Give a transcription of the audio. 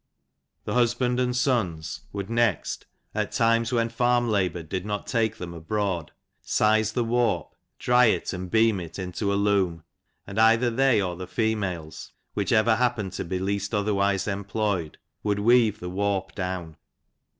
The husband sons would next, at times when farm labour did not them abroad, size the warp, dry it, and beam it in loom ; and either they, or the females, which< happened to be least otherwise employed, wt weave the warp down.